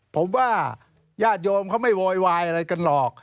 ผมว่าญาติโยมเขาไม่โวยวายอะไรกันหรอก